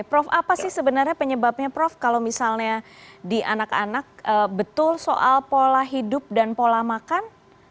prof apa sih sebenarnya penyebabnya prof kalau misalnya di anak anak betul soal pola hidup dan pola makan